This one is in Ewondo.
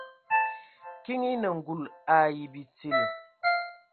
Kiŋ enə ngul ai bitil.